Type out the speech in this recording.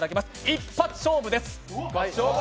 一発勝負です。